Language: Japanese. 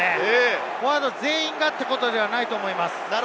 フォワード全員がということではないと思います。